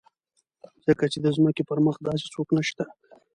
ځکه چې د ځمکې پر مخ داسې څوک نشته.